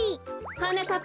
はなかっぱ！